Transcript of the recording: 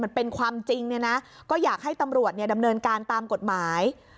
มันเป็นความจริงเนี่ยนะก็อยากให้ตำรวจดำเนินการตามกฎหมาย